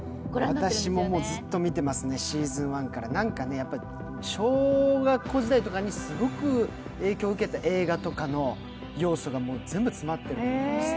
私もずっと見てますね、シーズン１から。小学校時代とかにすごく影響を受けた映画とかの要素が全部詰まっていると思います。